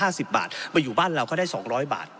คือเรามาอยู่บ้านคือเขา๒๐๐บาท